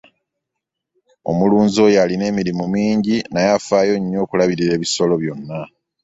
Omulunzi oyo alina emirimu mingi naye afaayo nnyo okulabirira ebisolo byonna.